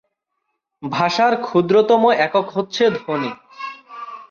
ভাষার ক্ষুদ্রতম একক হচ্ছে ধ্বনি।